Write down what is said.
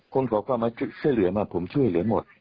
ขอความมาช่วยเหลือมาผมช่วยเหลือหมด